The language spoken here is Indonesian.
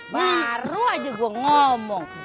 baru aja gua ngomong